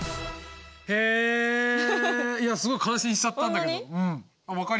いやすごい感心しちゃったんだけど。